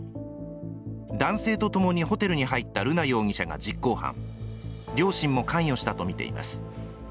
男性と共にホテルに入った瑠奈容疑者が実行犯両親も関与したとみています。